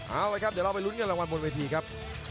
เอาละครับเดี๋ยวเราไปลุ้นเงินรางวัลบนเวทีครับ